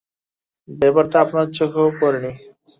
ব্যাপারটা আপনার চোখেও পড়ে নি।